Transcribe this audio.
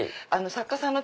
作家さんの。